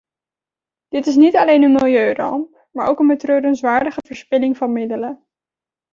Dit is niet alleen een milieuramp, maar ook een betreurenswaardige verspilling van middelen.